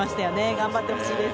頑張ってほしいです。